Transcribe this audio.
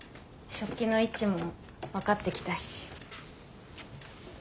食器の位置も分かってきたし。